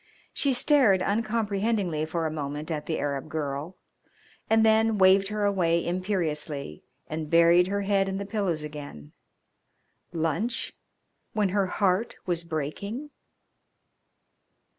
She stared uncomprehendingly for a moment at the Arab girl, and then waved her away imperiously and buried her head in the pillows again. Lunch, when her heart was breaking!